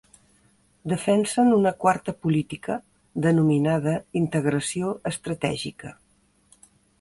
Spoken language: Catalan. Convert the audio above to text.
Defensen una quarta política denominada integració estratègica.